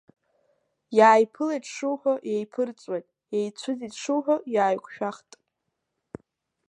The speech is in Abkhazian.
Иааиԥылеит шуҳәо иеиԥырҵуеит, иеицәыӡит шуҳәо иааиқәшәахт.